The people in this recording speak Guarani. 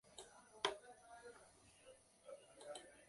Omosẽma umívape.